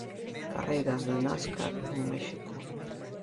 Carreiras de Nascar en México.